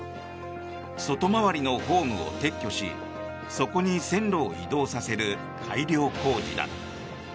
外回りのホームを撤去しそこに線路を移動させる改良工事だ。